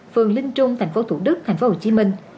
phường linh trung thành phố thủ đức thành phố hồ chí minh